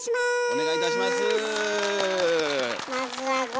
お願いいたします。